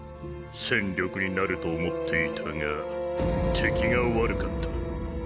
戦力になると思っていたが敵が悪かった。